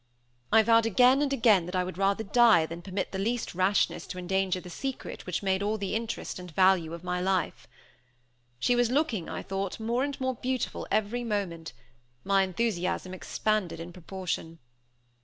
I vowed again and again that I would die rather than permit the least rashness to endanger the secret which made all the interest and value of my life. She was looking, I thought, more and more beautiful every moment. My enthusiasm expanded in proportion.